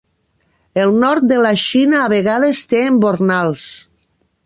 El Nord de la Xina a vegades té embornals.